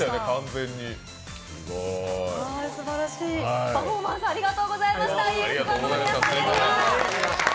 すばらしいパフォーマンス、ありがとうございました。